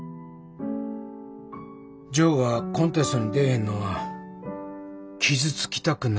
ジョーがコンテストに出えへんのは傷つきたくないんやと思う。